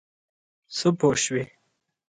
څه پوه شوې.